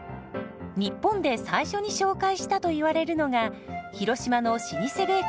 日本で最初に紹介したといわれるのが広島の老舗ベーカリー。